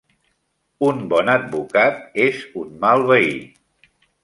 Un bon advocat és un mal veí.